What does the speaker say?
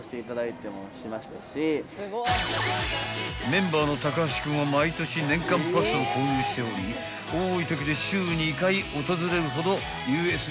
［メンバーの高橋君は毎年年間パスを購入しており多いときで週２回訪れるほどＵＳＪが大好き］